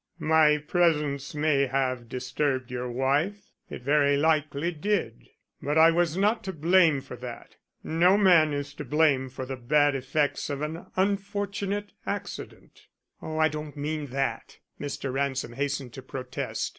My presence may have disturbed your wife, it very likely did, but I was not to blame for that. No man is to blame for the bad effects of an unfortunate accident." "Oh, I don't mean that," Mr. Ransom hastened to protest.